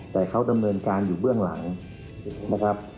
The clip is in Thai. แต่เขาดำเนินการอยู่เบื้องหลังนะครับ